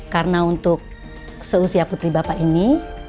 karena untuk seusia putri bapak ini